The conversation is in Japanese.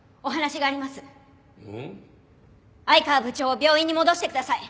愛川部長を病院に戻してください。